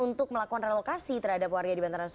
untuk melakukan relokasi terhadap warga di bantaran sungai